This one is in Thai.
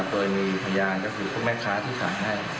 โดยมีพยานก็คือพวกแม่ค้าที่สั่งให้